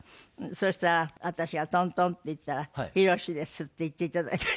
そしたら私がトントンって行ったら「ヒロシです」って言っていただいて。